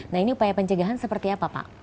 nah ini upaya pencegahan seperti apa pak